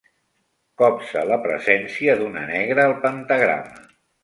Copsa la presència d'una negra al pentagrama.